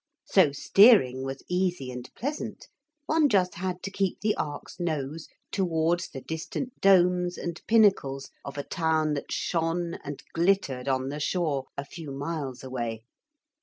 So steering was easy and pleasant; one just had to keep the ark's nose towards the distant domes and pinnacles of a town that shone and glittered on the shore a few miles away.